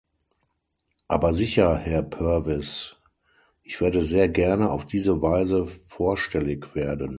Aber sicher, Herr Purvis, ich werde sehr gerne auf diese Weise vorstellig werden.